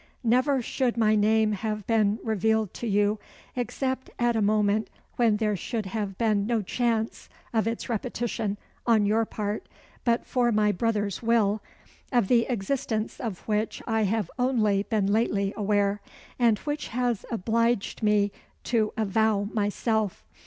Never should my name have been revealed to you, except at a moment when there should have been no chance of its repetition, on your part, but for my brother's will, of the existence of which I have only been lately aware, and which has obliged me to avow myself.